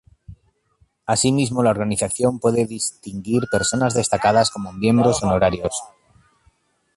Asimismo, la organización puede distinguir personas destacadas como miembros honorarios.